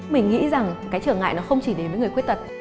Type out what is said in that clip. mình nghĩ rằng cái trở ngại nó không chỉ đến với người khuyết tật